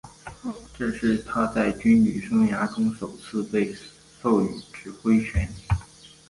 这是他在军旅生涯中首次被授予指挥权。